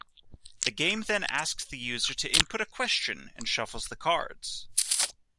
The game then asks the user to input a question, and shuffles the cards.